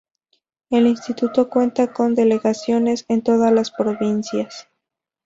El Instituto cuenta con delegaciones en todas las provincias.